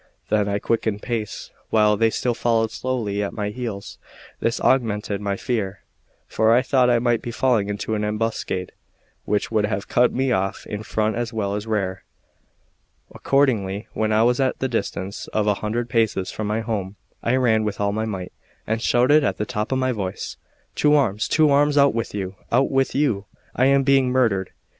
Then I quickened pace, while they still followed slowly at my heels; this augmented my fear, for I thought I might be falling into an ambuscade, which would have cut me off in front as well as rear. Accordingly, when I was at the distance of a hundred paces from my home, I ran with all my might, and shouted at the top of my voice: "To arms, to arms! out with you, out with you! I am being murdered."